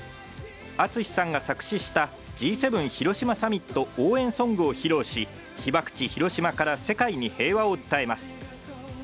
ＡＴＳＵＳＨＩさんが作詞したＧ７広島サミット応援ソングを披露し、被爆地、広島から世界に平和を訴えます。